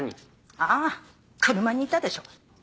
あぁ車にいたでしょ。